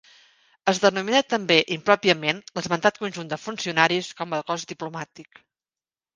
Es denomina també impròpiament l'esmentat conjunt de funcionaris com a cos diplomàtic.